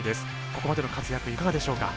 ここまでの活躍いかがでしょうか。